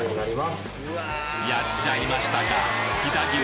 やっちゃいましたか飛騨牛